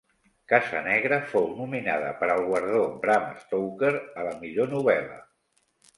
"Casa negra" fou nominada per al guardó Bram Stoker a la millor novel·la.